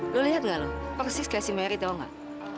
lo liat gak lo persis kayak si mary tau gak